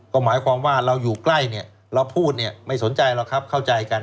ก็หมายความว่าเราอยู่ใกล้เนี่ยเราพูดเนี่ยไม่สนใจหรอกครับเข้าใจกัน